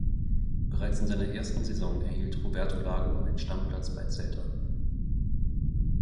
Bereits in seiner ersten Saison erhielt Roberto Lago einen Stammplatz bei Celta.